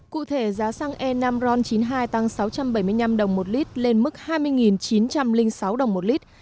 cụ thể giá xăng e năm ron chín mươi hai tăng sáu trăm bảy mươi năm đồng một lít lên mức hai mươi chín trăm linh sáu đồng một lít